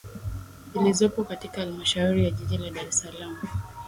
zilizopo katika Halmashauri ya Jiji la Dar es Salaam